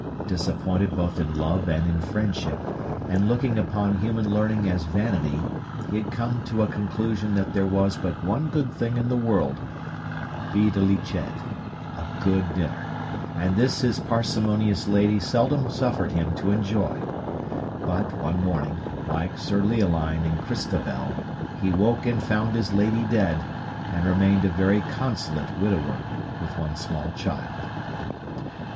Disappointed both in love and in friendship, and looking upon human learning as vanity, he had come to a conclusion that there was but one good thing in the world, videlicet, a good dinner; and this his parsimonious lady seldom suffered him to enjoy: but, one morning, like Sir Leoline in Christabel, 'he woke and found his lady dead,' and remained a very consolate widower, with one small child.